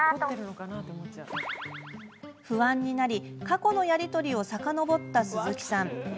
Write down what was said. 不安になり過去のやり取りをさかのぼった鈴木さん。